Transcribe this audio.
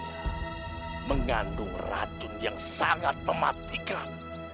yang mengandung racun yang sangat mematikan